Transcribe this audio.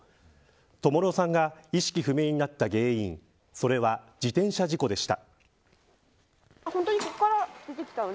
和朗さんが意識不明になった原因それは自転車事故でした。